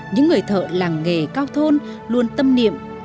những người thợ làng nghề cao thôn luôn tâm niệm